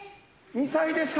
２歳ですか。